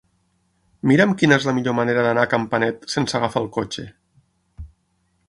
Mira'm quina és la millor manera d'anar a Campanet sense agafar el cotxe.